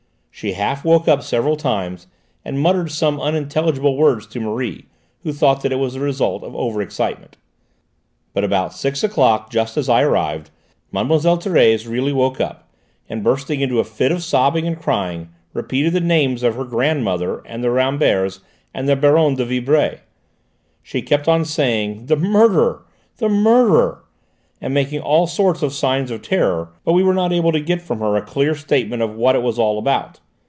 She half woke up several times and muttered some unintelligible words to Marie, who thought that it was the result of over excitement. But about six o'clock, just as I arrived, Mlle. Thérèse really woke up, and bursting into a fit of sobbing and crying, repeated the names of her grandmother and the Ramberts and the Baronne de Vibray. She kept on saying, 'The murderer! the murderer!' and making all sorts of signs of terror, but we were not able to get from her a clear statement of what it was all about.